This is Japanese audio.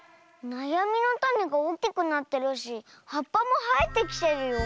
なやみのタネがおおきくなってるしはっぱもはえてきてるよ。